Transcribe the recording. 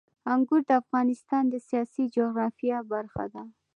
انګور د افغانستان د سیاسي جغرافیه برخه ده.